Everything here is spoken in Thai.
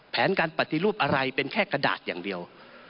แผนการปฏิรูปอะไรเป็นแค่กระดาษอย่างเดียว